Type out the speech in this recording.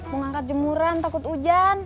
mau ngangkat jemuran takut hujan